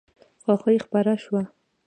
خوښي خپره شوه.